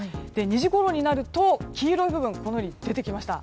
２時ごろになると黄色い部分このように出てきました。